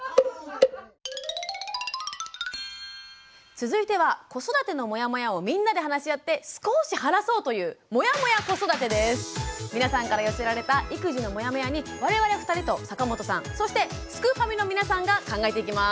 続いては子育てのモヤモヤをみんなで話し合って少し晴らそうという皆さんから寄せられた育児のモヤモヤに我々２人と坂本さんそしてすくファミの皆さんが考えていきます。